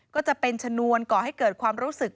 ก็จะเป็นชนวนก่อให้เกิดความรู้สึก